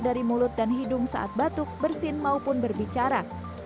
dari mulut dan hidung saat batuk bersin maupun berbicara